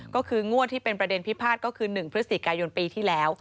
ก็คืองวดที่เป็นประเด็นพิพาทก็คือ๑พฤศจิกายนปีที่แล้ว